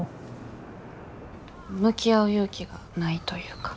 向き合う勇気がないというか。